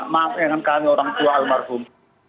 maafkan kami orang tua almarhum